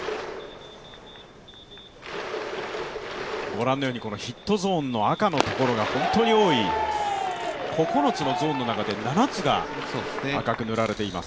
御覧のようにヒットゾーンの赤のところが本当に多い９つのゾーンの中で７つが赤く塗られています。